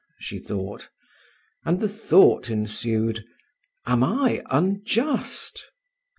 she thought; and the thought ensued, "Am I unjust?"